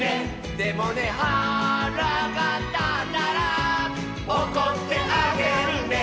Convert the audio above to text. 「でもねはらがたったら」「おこってあげるね」